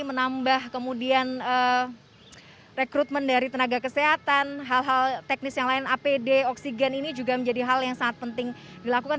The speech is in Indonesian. menambah kemudian rekrutmen dari tenaga kesehatan hal hal teknis yang lain apd oksigen ini juga menjadi hal yang sangat penting dilakukan